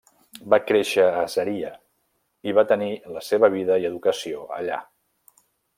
Va créixer a Zaria i va tenir la seva vida i educació allà.